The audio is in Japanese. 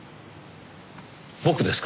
僕ですか？